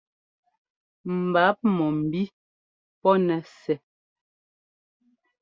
Mbǎp mɔ̂mbí pɔ́ nɛ́ sɛ́.